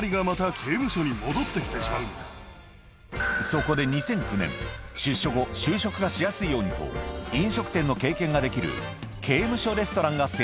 そこで２００９年出所後就職がしやすいようにと飲食店の経験ができる